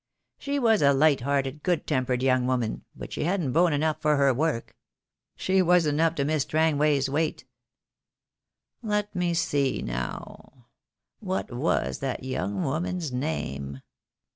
She was a light hearted, good tempered young woman, but she hadn't bone enough for her work. She wasn't up to Miss Strangway's weight. Let me see now — what was that young woman's name?